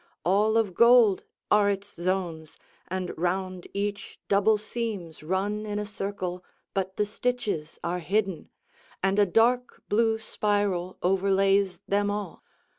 All of gold are its zones, and round each double seams run in a circle; but the stitches are hidden, and a dark blue spiral overlays them all.